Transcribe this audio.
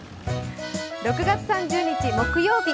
６月３０日木曜日。